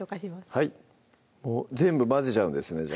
はい全部混ぜちゃうんですね